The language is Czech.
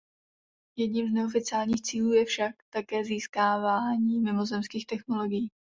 Jedním z neoficiálních cílů je však také získávání mimozemských technologií.